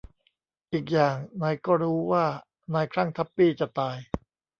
อีกอย่าง นายก็รู้ว่านายคลั่งทัปปี้จะตาย